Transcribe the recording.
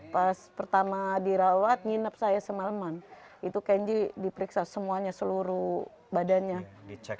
pas pertama dirawat nginep saya semaleman itu kenzi diperiksa semuanya seluruh badannya di cek